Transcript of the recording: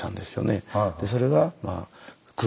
それが「座」。